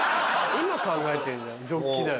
今考えてんじゃんジョッキだよ。